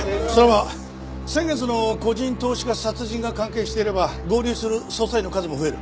先月の個人投資家殺人が関係していれば合流する捜査員の数も増える。